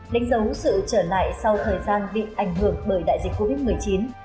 đánh dấu sự trở lại sau thời gian bị ảnh hưởng bởi đại dịch covid một mươi chín